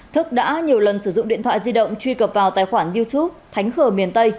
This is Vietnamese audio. thức đã nhiều lần sử dụng điện thoại di động truy cập vào tài khoản youtube thánh cờ miền tây